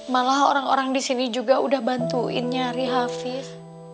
malah orang orang di sini juga udah bantuin nyari hafiz